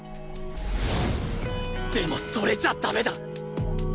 でもそれじゃ駄目だ！